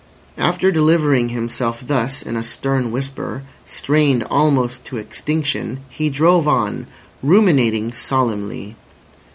After delivering himself thus in a stern whisper, strained almost to extinction, he drove on, ruminating solemnly.